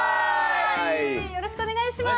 よろしくお願いします。